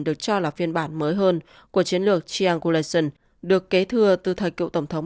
được cho là phiên bản mới hơn của chiến lược triangulation được kế thừa từ thời cựu tổng thống